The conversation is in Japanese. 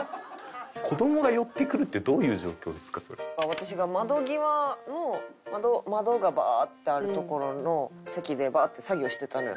私が窓際の窓がバーッてある所の席でバーッて作業してたのよ。